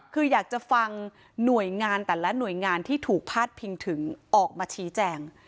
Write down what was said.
คืออยากจะฟังหน่วยงานแต่ละหน่วยงานที่ถูกพาดพิงถึงออกมาชี้แจง